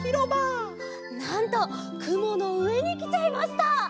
なんとくものうえにきちゃいました！